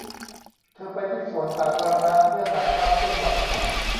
เธอไปที่สวนสาธารณะเพื่อถ่ายภาพเคลื่อนไหว